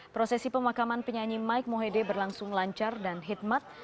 prosesi pemakaman penyanyi mike mohede berlangsung lancar dan hikmat